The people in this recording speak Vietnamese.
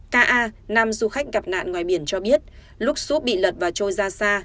ka nam du khách gặp nạn ngoài biển cho biết lúc súp bị lật và trôi ra xa